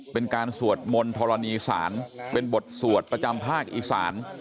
เป็นการสวดมนต์ธรณีศาลเป็นบทสวดประจำภาคอีสาน